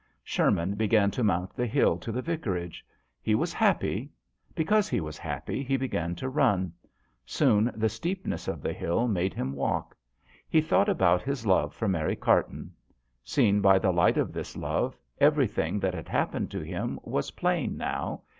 Sherman began to mount the hill to the vicarage. He was happy. Because he was happy he began to run. Soon the steepness of the hill made him walk. He thought about his love for Mary Carton. Seen by the light of this love everything that had happened to him was plain now.